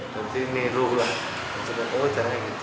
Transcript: tadi miruh lah